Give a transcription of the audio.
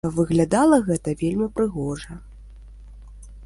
Выглядала гэта вельмі прыгожа.